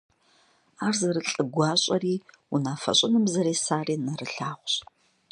Ар зэрылӀыгуащӀэри, унафэ щӀыным зэресари нэрылъагъущ.